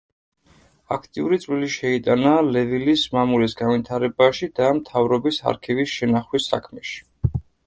აქტიური წვლილი შეიტანა ლევილის მამულის განვითარებაში და მთავრობის არქივის შენახვის საქმეში.